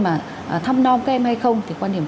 mà thăm non các em hay không thì quan điểm